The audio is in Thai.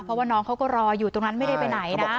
เพราะว่าน้องเขาก็รออยู่ตรงนั้นไม่ได้ไปไหนนะ